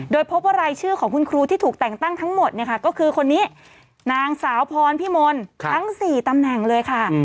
โดยพบว่ารายชื่อของคุณครูที่ถูกแต่งตั้งทั้งหมดเนี่ยค่ะก็คือคนนี้นางสาวพรพิมลทั้ง๔ตำแหน่งเลยค่ะ